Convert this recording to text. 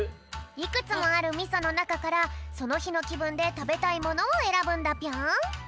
いくつもあるみそのなかからそのひのきぶんでたべたいものをえらぶんだぴょん。